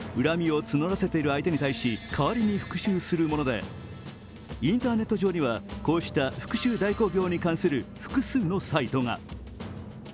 恨みを募らせている相手に対し代わりに復しゅうするものでインターネット上にはこうした復しゅう代行業に関する複数のサイトが。